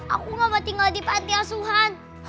aku ngamak tinggal di panti asuhan